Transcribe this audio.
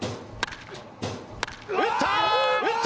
打った！